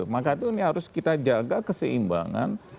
maka itu ini harus kita jaga keseimbangan